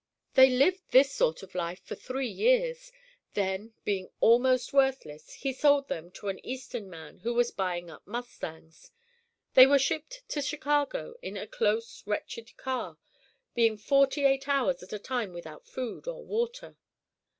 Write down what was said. They lived this sort of life for three years; then being almost worthless, he sold them to an Eastern man who was buying up mustangs. They were shipped to Chicago in a close, wretched car, being forty eight hours at a time without food or water.